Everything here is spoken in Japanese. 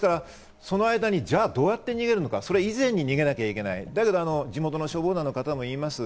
その間にどうやって逃げるのか以前に逃げなきゃいけない、地元の消防団の方も言います。